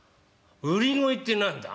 「売り声って何だ？」。